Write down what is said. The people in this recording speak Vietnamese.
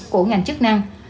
của ngành chức năng